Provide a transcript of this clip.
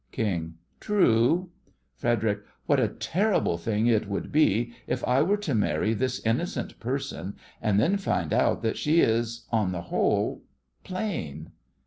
KING: True. FREDERIC: What a terrible thing it would be if I were to marry this innocent person, and then find out that she is, on the whole, plain!